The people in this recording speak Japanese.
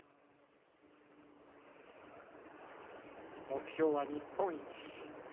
目標は日本一。